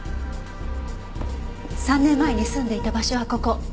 ３年前に住んでいた場所はここ。